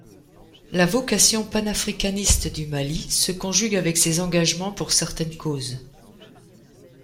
La vocation panafricaniste du Mali se conjugue avec ses engagements pour certaines causes.